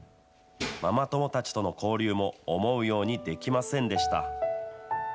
ママ友たちとの交流も思うようにできませんでした。